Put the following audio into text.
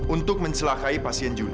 untuk mencelakai pasien julie